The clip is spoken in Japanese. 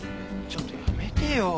ちょっとやめてよ。